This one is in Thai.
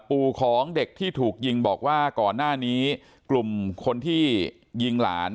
ปู่ของเด็กที่ถูกยิงบอกว่าก่อนหน้านี้กลุ่มคนที่ยิงหลาน